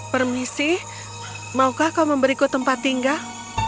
permisi maukah kau memberiku tempat tinggal